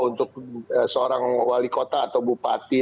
untuk seorang wali kota atau bupati